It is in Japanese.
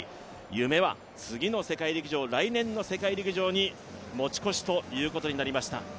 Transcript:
夢は次の世界陸上、来年の世界陸上に持ち越しということになりました。